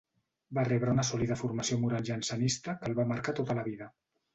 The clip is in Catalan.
Va rebre una sòlida formació moral jansenista que el va marcar tota la vida.